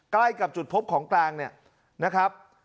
ใกล้กับจุดพบของกลางเนี่ยนะครับ